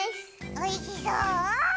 おいしそう！